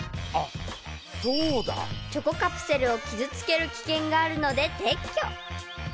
［チョコカプセルを傷つける危険があるので撤去］